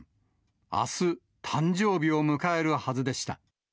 あす、誕生日を迎えるはずでした。